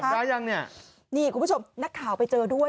ยังเนี่ยนี่คุณผู้ชมนักข่าวไปเจอด้วย